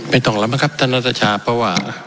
ไม่ต้องรับนะครับท่านรัฐชาปะวะ